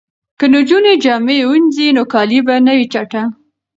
که نجونې جامې وینځي نو کالي به نه وي چټل.